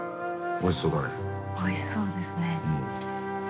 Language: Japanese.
おいしそうですね。